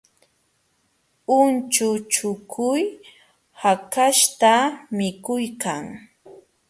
Unchuchukuy hakaśhta mikuykan